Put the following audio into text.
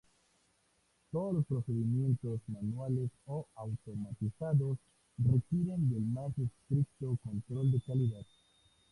Todos los procedimientos manuales o automatizados requieren del más estricto control de calidad.